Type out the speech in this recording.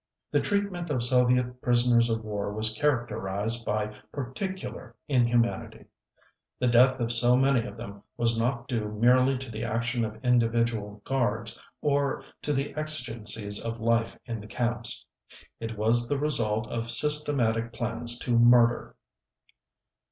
The treatment of Soviet prisoners of war was characterized by particular inhumanity. The death of so many of them was not due merely to the action of individual guards, or to the exigencies of life in the camps. It was the result of systematic plans to murder.